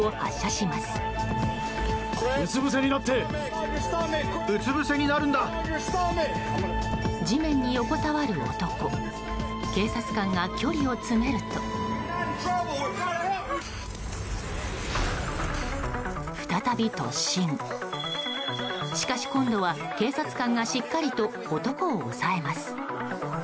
しかし今度は警察官がしっかりと男を押さえます。